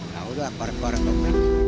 ya udah korek korek doang